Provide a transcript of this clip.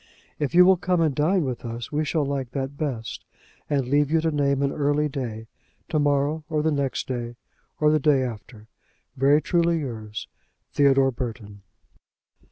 If you will come and dine with us we shall like that best, and leave you to name an early day: to morrow, or the next day, or the day after. Very truly yours, THEODORE BURTON.